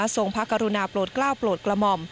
ทรงพกรุณาโปรดกล้าวโปรดกลมอม